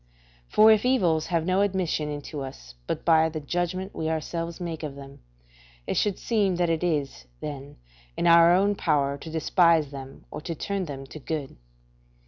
For if evils have no admission into us but by the judgment we ourselves make of them, it should seem that it is, then, in our own power to despise them or to turn them to good.